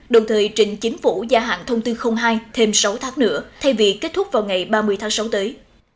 đồng thời trình chính phủ gia hạn thông tư hai thêm sáu tháng nữa thay vì kết thúc vào ngày ba mươi tháng sáu tới